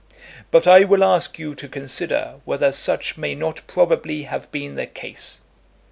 But I will ask you to consider whether such may not probably have been the case.